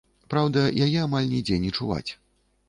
Праўда, яе амаль нідзе не чуваць.